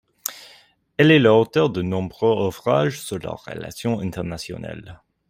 Il est l'auteur de nombreux ouvrages sur les relations internationales.